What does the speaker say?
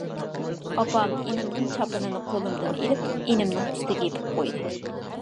ئاپام ئىنىمنىڭ چاپىنىنى قولۇمدىن ئېلىپ، ئىنىمنىڭ ئۈستىگە يېپىپ قويدى.